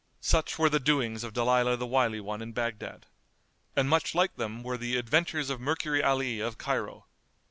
Such were the doings of Dalilah the Wily One in Baghdad and much like them were The Adventures of Mercury Ali of Cairo.